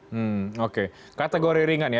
hmm oke kategori ringan ya